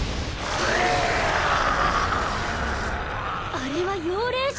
あれは妖霊獣！